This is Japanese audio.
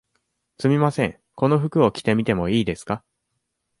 すみません、この服を着てみてもいいですか。